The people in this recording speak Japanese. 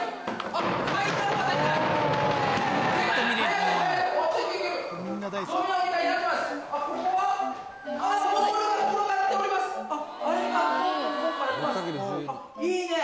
あっいいね！